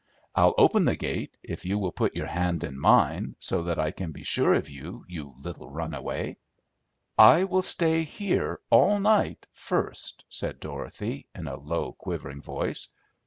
I'll open the gate if you will put your hand in mine, so that I can be sure of you, you little runaway." "I will stay here all night, first," said Dorothy, in a low, quivering voice.